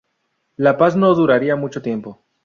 La paz no duraría mucho tiempo.